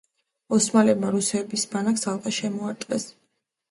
ოსმალებმა რუსების ბანაკს ალყა შემოარტყეს.